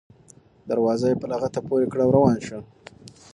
دروازه یې په لغته پورې کړه او روان شو.